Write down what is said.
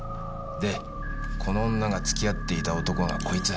でこの女が付き合っていた男がこいつ。